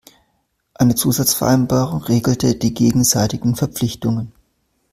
Eine Zusatzvereinbarung regelte die gegenseitigen Verpflichtungen.